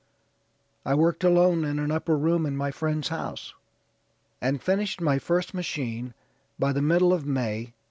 I worked alone in an upper room in my friend's house, and finished my first machine by the middle of May, 1845.